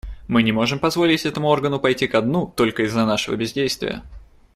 Мы не можем позволить этому органу пойти ко дну только из-за нашего бездействия.